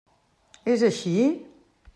És així?